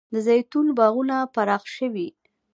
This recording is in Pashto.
د زیتون باغونه پراخ شوي؟